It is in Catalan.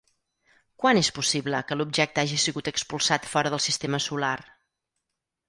Quan és possible que l'objecte hagi sigut expulsat fora del sistema solar?